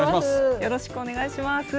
よろしくお願いします。